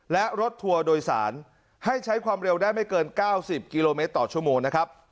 และรถทัวร์โดยสารให้ใช้ความเร็วได้ไม่เกิน๙๐กิโลเมตรต่อชั่วโมงนะครับ